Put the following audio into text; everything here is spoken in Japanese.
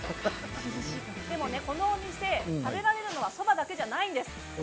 このお店、食べられるのはそばだけではないんです。